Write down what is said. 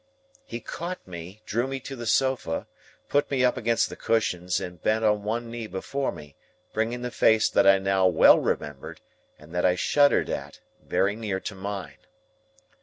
He caught me, drew me to the sofa, put me up against the cushions, and bent on one knee before me, bringing the face that I now well remembered, and that I shuddered at, very near to mine.